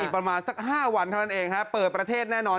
ประมาณสัก๕วันเท่านั้นเองเปิดประเทศแน่นอน